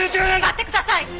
待ってください！